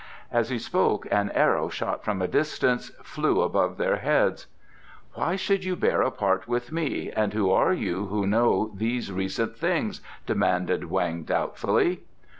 As he spoke an arrow, shot from a distance, flew above their heads. "Why should you bear a part with me, and who are you who know these recent things?" demanded Weng doubtfully.